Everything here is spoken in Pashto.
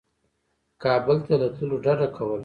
کابل ته له تللو ډده کوله.